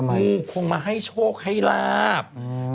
งูควรมาให้โชคและลาบ